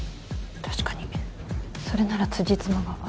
確かにそれならつじつまが合う。